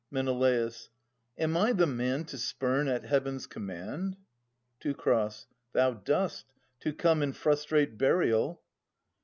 Men. Am I the man to spurn at Heaven's command ? Teu. Thou dost, to come and frustrate burial.